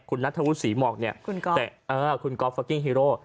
คุณนัฐวุสีหมอกเนี่ยเป็นเออคุณก็อฟเฟอร์กิ้งฮีโร่